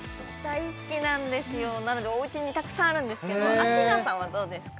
大好きなんですよなのでおうちにたくさんあるんですけどアッキーナさんはどうですか？